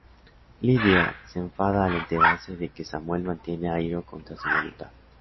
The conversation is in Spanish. Lydia se enfada al enterarse de que Samuel mantiene a Hiro contra su voluntad.